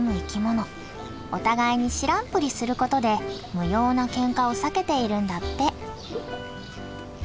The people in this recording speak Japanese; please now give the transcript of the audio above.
お互いに知らんぷりすることで無用なケンカを避けているんだって。